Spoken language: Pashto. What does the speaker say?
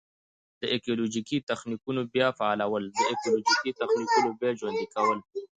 د ایکولوژیکي تخنیکونو بیا فعالول: د ایکولوژیکي تخنیکونو بیا ژوندي کول.